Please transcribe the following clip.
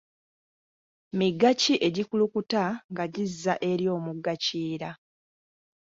Migga ki egikulukuta nga gizza eri omugga kiyira?